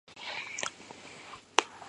Mi yedditi sam wallaahi, ɓe ngaddi am lekkol.